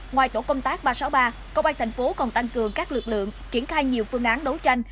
ngoài tổ công tác ba trăm sáu mươi ba công an tp hcm còn tăng cường các lực lượng triển khai nhiều phương án đấu tranh